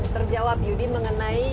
terjawab yudi mengenai